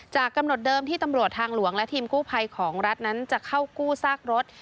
กำหนดเดิมที่ตำรวจทางหลวงและทีมกู้ภัยของรัฐนั้นจะเข้ากู้ซากรถ